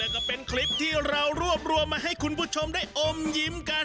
ก็เป็นคลิปที่เรารวบรวมมาให้คุณผู้ชมได้อมยิ้มกัน